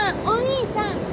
お兄さん！